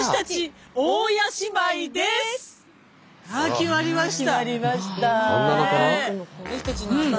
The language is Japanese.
決まりました。